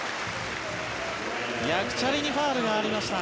ヤクチャリにファウルがありました。